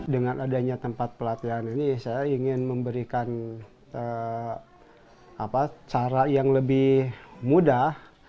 dengan adanya tempat pelatihan ini saya ingin memberikan cara yang lebih mudah